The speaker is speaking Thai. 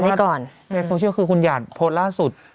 ในโซเชียลคือคุณหญาติโพสต์ล่าสุด